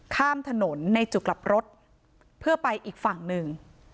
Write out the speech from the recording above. ข้ามถนนในจุดกลับรถเพื่อไปอีกฝั่งหนึ่ง